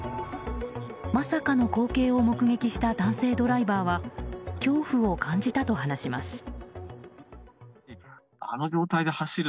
まさかの光景を目撃した男性ドライバーは恐怖を感じたと話します。